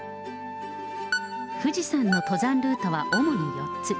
富士山の登山ルートは主に４つ。